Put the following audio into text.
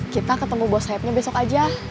kita ketemu bos sayapnya besok aja